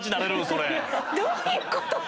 それ。